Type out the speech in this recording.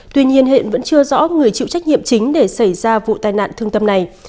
tuy nhiên hiện vẫn chưa rõ người chịu trách nhiệm chính để xảy ra vụ tai nạn thương tâm này